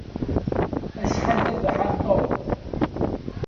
Acḥal d abaḥan Tom!